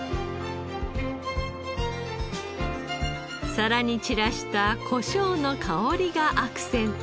皿に散らしたコショウの香りがアクセント。